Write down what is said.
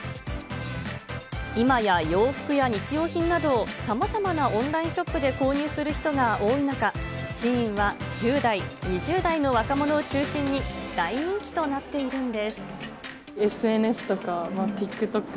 今や洋服や日用品などをさまざまなオンラインショップで購入する人が多い中、シーインは１０代、２０代の若者を中心に、ＳＮＳとか、ＴｉｋＴｏｋとこれ、シーインです。